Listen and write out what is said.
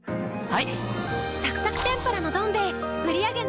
はい。